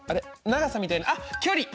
長さみたいなあっ「距離」。